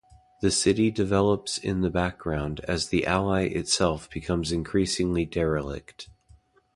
The city develops in the background as the ally itself becomes increasingly derelict.